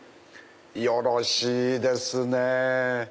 よろしいですね。